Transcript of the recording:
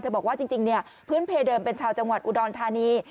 บอกว่าจริงเนี่ยพื้นเพเดิมเป็นชาวจังหวัดอุดรธานี